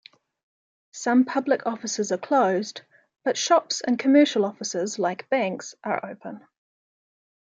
Some public offices are closed, but shops and commercial offices like banks are open.